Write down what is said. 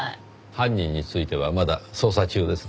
犯人についてはまだ捜査中ですので。